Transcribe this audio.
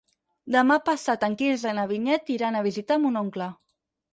Demà passat en Quirze i na Vinyet iran a visitar mon oncle.